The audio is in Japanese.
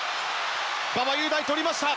馬場雄大、取りました。